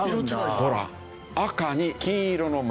ほら赤に金色の丸。